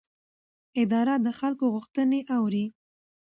اداره د خلکو غوښتنې اوري.